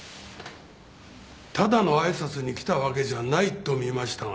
ただのあいさつに来たわけじゃないと見ましたが。